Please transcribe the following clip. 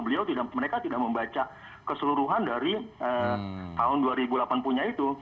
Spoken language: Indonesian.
beliau mereka tidak membaca keseluruhan dari tahun dua ribu delapan punya itu